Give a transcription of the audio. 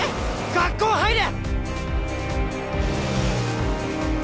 学校入れ！